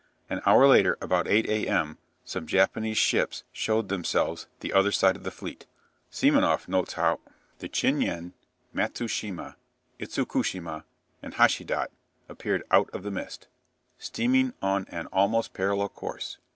An hour later, about 8 a.m., some Japanese ships showed themselves the other side of the fleet. Semenoff notes how: "The 'Chin yen,' 'Matsushima,' 'Itsukushima,' and 'Hashidate,' appeared out of the mist, steaming on an almost parallel course.